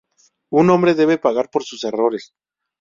Un hombre debe pagar por sus errores.